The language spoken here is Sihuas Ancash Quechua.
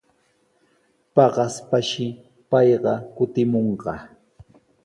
Paqaspashi payqa kutimunqa.